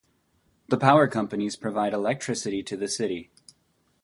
Two power companies provide electricity to the city.